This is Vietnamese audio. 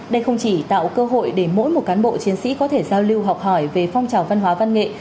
đây không chỉ tạo cơ hội để mỗi một cán bộ chiến sĩ có thể giao lưu học hỏi về phong trào văn hóa văn nghệ